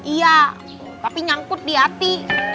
iya tapi nyangkut di hati